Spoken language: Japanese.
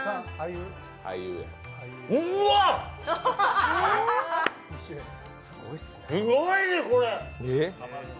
うまっ、すごいね、これ！